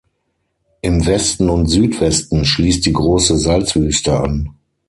Im Westen und Südwesten schließt die Große Salzwüste an.